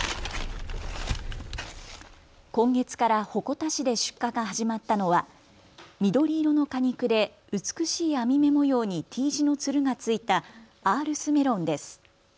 今月から鉾田市で出荷が始まったのは緑色の果肉で美しい網目模様にＴ字のつるが付いたアールスメロンです。